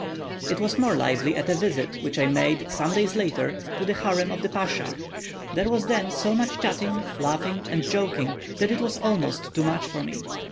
It was more lively at a visit which I made, some days later, to the harem of the pasha; there was then so much chatting, laughing, and joking, that it was almost too much for me.